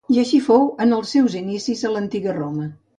I així fou en els seus inicis a l'Antiga Roma.